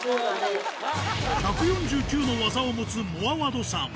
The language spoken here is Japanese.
１４９の技を持つモアワドさん